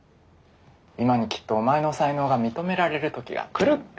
今にきっとお前の才能が認められる時がくるって。